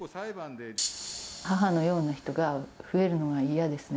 母のような人が増えるのが嫌ですね。